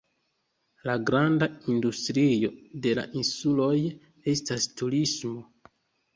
La granda industrio de la insuloj estas turismo.